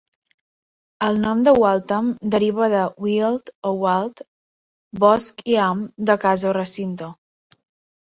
El nom de Waltham deriva de "weald" o "wald" "bosc" i "ham" de "casa" o "recinte".